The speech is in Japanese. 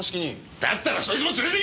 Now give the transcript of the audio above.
だったらそいつも連れてけ！